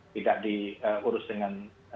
tidak diurus dengan